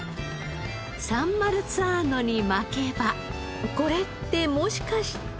サンマルツァーノに巻けばこれってもしかして。